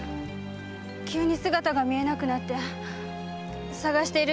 急に姿が見えなくなって捜しているうちに。